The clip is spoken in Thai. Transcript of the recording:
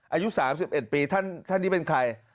อายุ๓๑ปีท่านนี้เป็นใคร